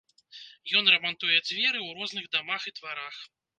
Ён рамантуе дзверы ў розных дамах і дварах.